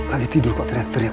kali tidur kok teriak teriak